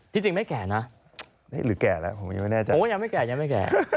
ที่จริงไม่แก่นะผมยังไม่แก่ก็ยังไม่แก่